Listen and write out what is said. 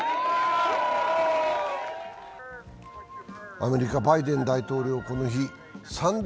アメリカバイデン大統領、この日三大